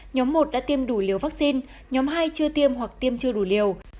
nhóm một đã tiêm đủ liều vaccine nhóm hai chưa tiêm hoặc tiêm chưa đủ liều